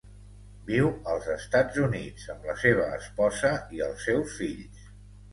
Viu als Estats Units amb la seva esposa i els seus fills.